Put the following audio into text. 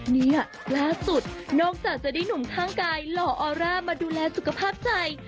เนี่ยล่าสุดนอกจากจะได้หนุ่มข้างกายหล่อออร่ามาดูแลสุขภาพใจ